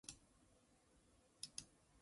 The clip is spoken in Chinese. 国家是阶级矛盾不可调和的产物